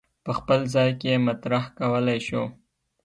په خپل ځای کې یې مطرح کولای شو.